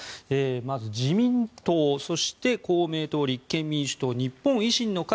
まず、自民党そして公明党、立憲民主党日本維新の会４